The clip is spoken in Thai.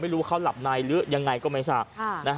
ไม่รู้ว่าเขาหลับในหรือยังไงก็ไม่ทราบ